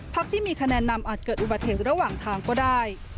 ที่มีคะแนนนำอาจเกิดอุบัติเหตุระหว่างทางก็ได้